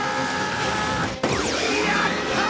やったー！